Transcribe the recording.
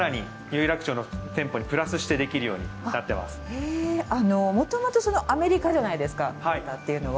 へもともとアメリカじゃないですかベータっていうのは。